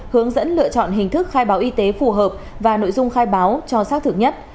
hướng dẫn lựa chọn hình thức khai báo y tế phù hợp và nội dung khai báo cho xác thực nhất